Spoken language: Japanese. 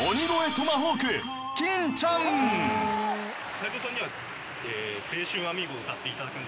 斉藤さんには。